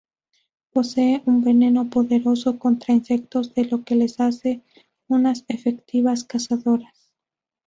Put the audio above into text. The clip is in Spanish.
Poseen un veneno poderoso contra insectos, lo que les hace unas efectivas cazadoras.